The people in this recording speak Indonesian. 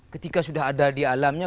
ketika sudah ada di alamnya